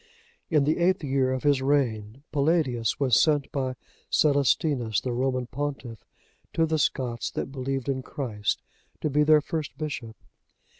In the eighth year of his reign,(80) Palladius was sent by Celestinus, the Roman pontiff, to the Scots that believed in Christ, to be their first bishop.